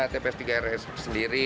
tpf s tiga r sendiri